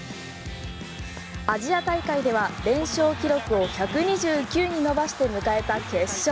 アジア大会では連勝記録を１２９に伸ばして迎えた決勝。